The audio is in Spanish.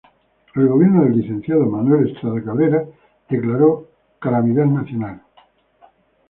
El gobierno del licenciado Manuel Estrada Cabrera declaró calamidad nacional.